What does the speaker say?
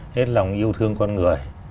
hết lòng yêu thương con người